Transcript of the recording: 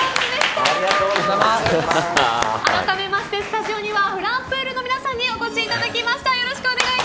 あらためましてスタジオにはｆｌｕｍｐｏｏｌの皆さんにお越しいただきました。